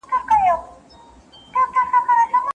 پوهنتون کولای سي د استادانو لپاره اصول وټاکي.